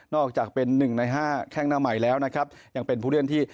อกจากเป็นหนึ่งในห้าแข้งหน้าใหม่แล้วนะครับยังเป็นผู้เล่นที่